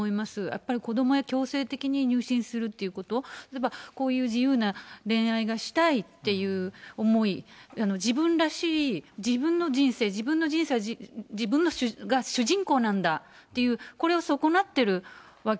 やっぱり子どもが強制的に入信するっていうこと、こういう自由な恋愛がしたいっていう思い、自分らしい自分の人生、自分の人生は自分が主人公なんだっていう、これを損なっているわ